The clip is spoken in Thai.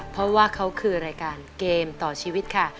เพราะว่าเขาคือรายการเกมต่อชีวิตค่ะ